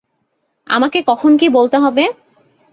আমাকে কখন কী বলতে হবে?